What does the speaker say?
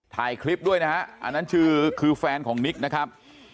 ถ่ายคลิปด้วยนะฮะอันนั้นคือแฟนของนิกนะครับ